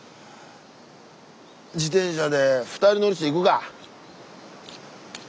自転車で２人乗りして行くか！